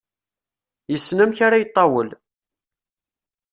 Yessen amek ara iṭawel.